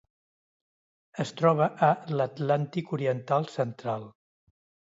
Es troba a l'Atlàntic oriental central: